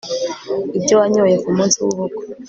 ibyo wanyoye kumunsi w'ubukwe